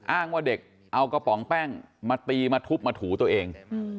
ว่าเด็กเอากระป๋องแป้งมาตีมาทุบมาถูตัวเอง